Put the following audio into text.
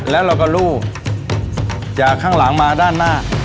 แล้วเราก็ลู่จากข้างหลังมาด้านหน้า